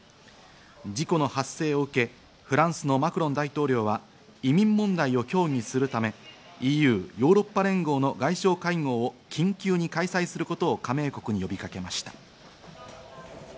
事故の発生を受け、フランスのマクロン大統領は移民問題を協議するため、ＥＵ＝ヨーロッパ連合の外相会合を緊急に開催することを加盟国に呼びかけました。